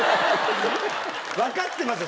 わかってますよ